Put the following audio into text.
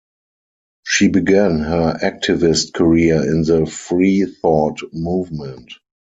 She began her activist career in the freethought movement.